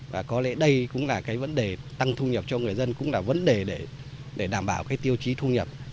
và có lẽ đây cũng là cái vấn đề tăng thu nhập cho người dân cũng là vấn đề để đảm bảo cái tiêu chí thu nhập